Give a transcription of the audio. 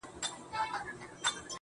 o ښه دی چي ونه درېد ښه دی چي روان ښه دی.